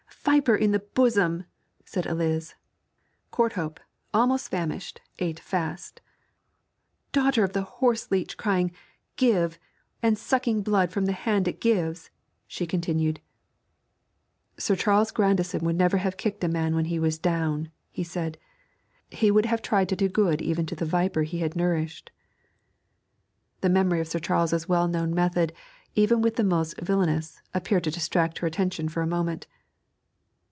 'Viper in the bosom!' said Eliz. Courthope, almost famished, ate fast. 'Daughter of the horse leech crying "give," and sucking blood from the hand it gives!' she continued. 'Sir Charles Grandison would never have kicked a man when he was down,' he said. 'He would have tried to do good even to the viper he had nourished.' The memory of Sir Charles's well known method even with the most villainous, appeared to distract her attention for a moment.